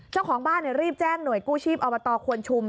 เจ้าของบ้านรีบแจ้งหน่วยกู้ชีพอบตควนชุม